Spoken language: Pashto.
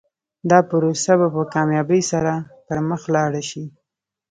دا پروسه به په کامیابۍ سره پر مخ لاړه شي.